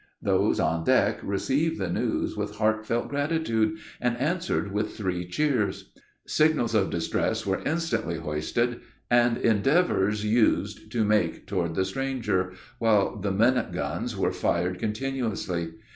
Those on deck received the news with heart felt gratitude, and answered with three cheers. Signals of distress were instantly hoisted, and endeavors used to make toward the stranger, while the minute guns were fired continuously.